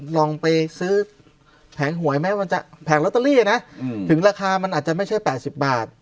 ลองไปซื้อแผงหวยไหมมันจะแผงลอตเตอรี่นะถึงราคามันอาจจะไม่ใช่๘๐บาท